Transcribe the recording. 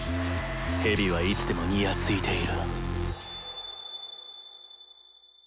ヘビはいつでもにやついていろ。